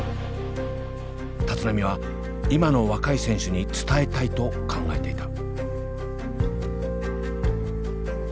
立浪は今の若い選手に伝えたいと考えていた。